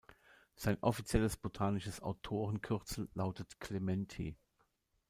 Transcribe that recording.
Sein offizielles botanisches Autorenkürzel lautet „Clementi“.